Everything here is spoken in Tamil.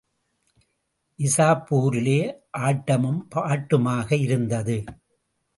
நிசாப்பூரிலே, ஆட்டமும் பாட்டுமாக இருந்தது.